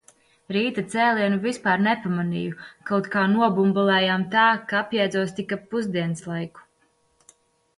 Rīta cēlienu vispār nepamanīju, kaut kā nobumbulējām tā, ka atjēdzos tik ap pusdienslaiku.